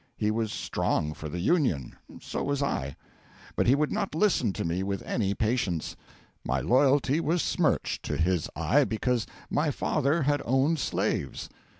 He was strong for the Union; so was I. But he would not listen to me with any patience; my loyalty was smirched, to his eye, because my father had owned slaves.